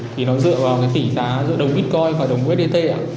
thì nó dựa vào tỷ giá giữa đồng bitcoin và đồng usdt